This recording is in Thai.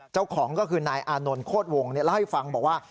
เจ้าของก็คือนายอานนนคโครตวงท์เนี่ยแล้วให้ฟังบอกว่า